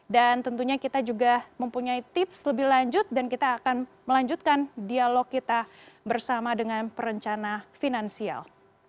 dan tentunya kita juga mempunyai tips lebih lanjut dan kita akan melanjutkan dialog kita bersama dengan perencana finansial